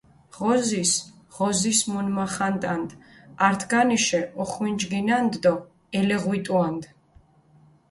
ღოზის, ღოზის მუნმახანტანდჷ, ართგანიშე ოხვინჯგინანდჷ დო ელეღვიტუანდჷ.